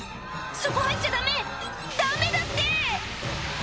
そこ入っちゃダメダメだって！